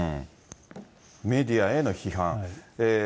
メディアへの批判。